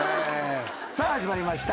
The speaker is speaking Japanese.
さあ始まりました。